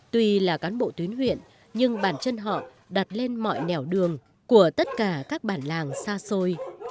tuy là cán bộ tuyến huyện nhưng bản chân họ đặt lên mọi nẻo đường của tất cả các bản làng xa xôi